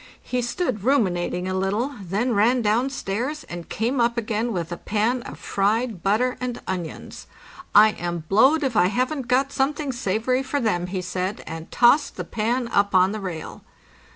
He stood ruminating a little, then ran down stairs, and came up again with a pan of fried butter and onions. '' Iam blowed if I haven't got something savory for them," he said, and tossed the pan up on the rail.